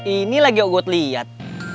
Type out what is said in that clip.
ini lagi yang gue mau lihat